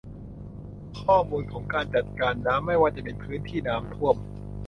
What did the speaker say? ข้อมูลการจัดการน้ำไม่ว่าจะเป็นพื้นที่น้ำท่วม